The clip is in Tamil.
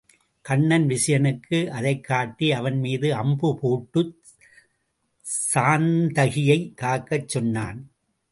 கண்ணன் விசயனுக்கு அதைக் காட்டி அவன் மீது அம்புபோட்டுச் சாத்தகியைக் காக்கச் சொன்னான்.